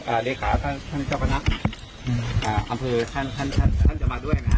อ่าเลขาท่านท่านเจ้าพนักอ่าอำเภอท่านท่านท่านท่านจะมาด้วยนะฮะ